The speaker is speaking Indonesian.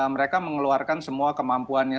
mereka mengeluarkan semua kemampuannya